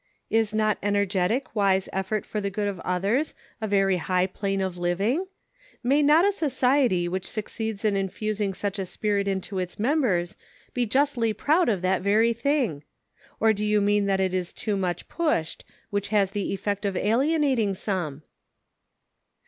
" Is not energetic, wise effort for the good of others a very high plane of living ." May not a society which succeeds in infusing such a spirit into its members, be justly proud of that very thing .* Or do you mean that it is too much pushed ; which has the effect of alienating some